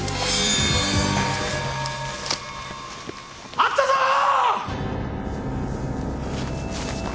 あったぞー！